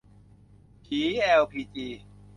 ผีแอลพีจี